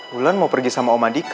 lu lan mau pergi sama om adhika